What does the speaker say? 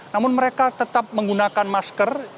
namun mereka tetap menggunakan masker